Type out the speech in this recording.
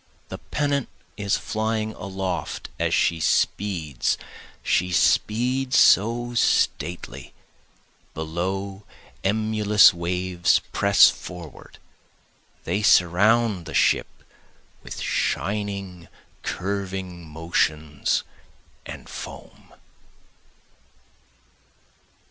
The pennant is flying aloft as she speeds she speeds so stately below emulous waves press forward, They surround the ship with shining curving motions and foam.